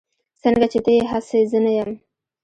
سنګه چې ته يي هسې زه نه يم